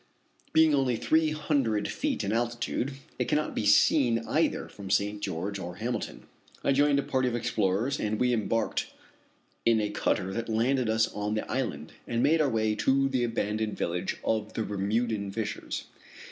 Being only three hundred feet in altitude, it cannot be seen either from St. George or Hamilton. I joined a party of explorers and we embarked in a cutter that landed us on the island, and made our way to the abandoned village of the Bermudan fishers.